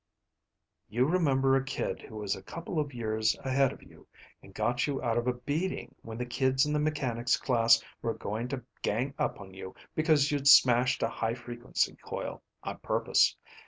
"You remember a kid who was a couple of years ahead of you, and got you out of a beating when the kids in the mechanics class were going to gang up on you because you'd smashed a high frequency coil, on purpose.